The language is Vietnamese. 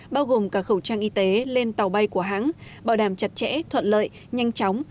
bao gồm cả khẩu trang y tế lên tàu bay của hãng bảo đảm chặt chẽ thuận lợi nhanh chóng